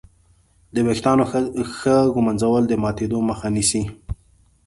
د وېښتانو ښه ږمنځول د ماتېدو مخه نیسي.